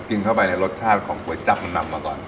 กินเข้าไปเนี่ยรสชาติของก๋วยจับมันนำมาก่อน